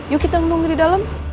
yuk kita lembung di dalam